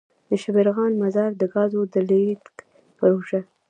دشبرغان -مزار دګازو دلیږد پروژه.